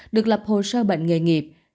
được lập hồ sơ bệnh nghề nghiệp